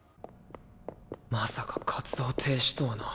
まさか活動停止とはな。